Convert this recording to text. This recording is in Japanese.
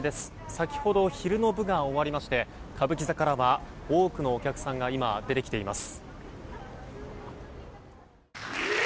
先ほど昼の部が終わりまして歌舞伎座からは多くのお客さんが出てきています。